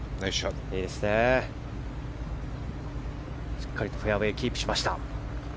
しっかりとフェアウェーキープしました。